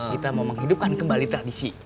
kita mau menghidupkan kembali tradisi